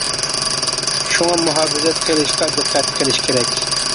شۇڭا مۇھاپىزەت قىلىشقا دىققەت قىلىش كېرەك.